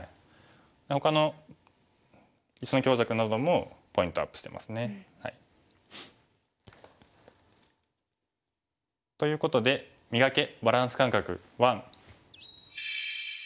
ほかの石の強弱などもポイントアップしてますね。ということで「磨け！バランス感覚１」。